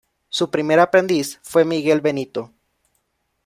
Su primer aprendiz fue Miguel Benito.